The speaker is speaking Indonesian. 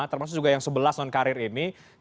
termasuk juga yang sebelas non karir ini